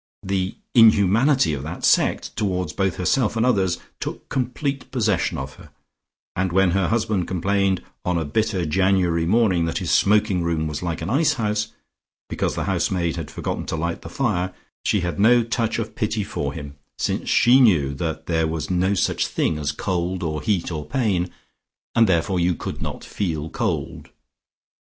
The inhumanity of that sect towards both herself and others took complete possession of her, and when her husband complained on a bitter January morning that his smoking room was like an icehouse, because the housemaid had forgotten to light the fire, she had no touch of pity for him, since she knew that there was no such thing as cold or heat or pain, and therefore you could not feel cold.